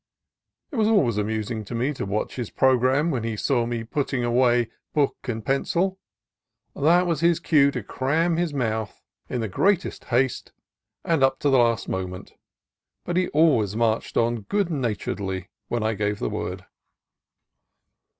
It was always amusing to me to watch his programme when he saw me putting away book and pencil. That was his cue to cram his mouth in the greatest haste and up to the last moment ; but he always marched on good naturedly when I gave the word.